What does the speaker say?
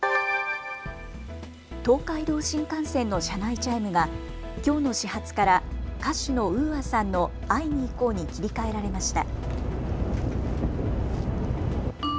東海道新幹線の車内チャイムがきょうの始発から歌手のＵＡさんの会いにいこうに切り替えられました。